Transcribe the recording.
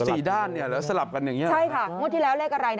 สี่ด้านเนี่ยแล้วสลับกันอย่างเงี้ใช่ค่ะงวดที่แล้วเลขอะไรนะ